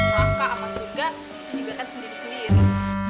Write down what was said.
nanti kalau misalnya masyarakat sama surga itu juga kan sendiri sendiri